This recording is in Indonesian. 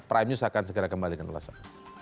prime news akan segera kembali dengan ulasan